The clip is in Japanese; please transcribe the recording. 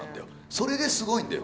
それですごいんだよ。